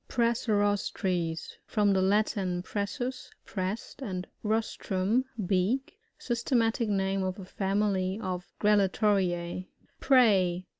Prrssirostres. — From the Latin, pre$8U8f pressed, and rostrum, beak. Systematic name of a family of Grallatoriffi. Prey.